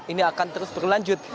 ini akan terus berlanjut